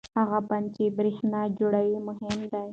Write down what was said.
هغه بند چې برېښنا جوړوي مهم دی.